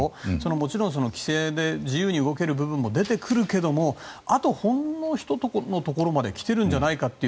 もちろん自由に動ける部分も出てくるけれどもあとほんのひとところまできてるんじゃないかという。